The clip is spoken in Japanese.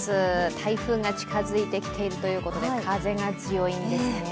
台風が近づいてきているということで風が強いんですよね。